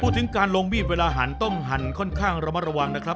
ถึงการลงมีดเวลาหันต้มหันค่อนข้างระมัดระวังนะครับ